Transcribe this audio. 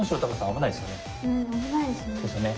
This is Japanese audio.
危ないですよね。